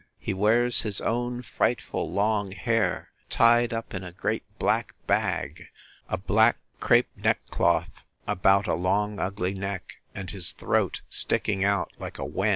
He wears his own frightful long hair, tied up in a great black bag; a black crape neckcloth about a long ugly neck: and his throat sticking out like a wen.